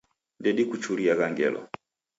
Ndedikuchuriagha ngelo.